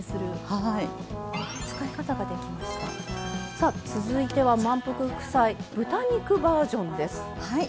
さあ続いては「まんぷく副菜」豚肉バージョンです。